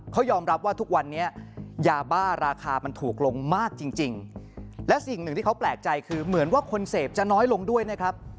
เขายอมรับว่าทุกวันนี้ยาบ้าราคามันถูกลงมากจริงและสิ่งหนึ่งที่เขาแปลกใจคือเหมือนว่าคนเสพจะน้อยลงด้วยนะครับ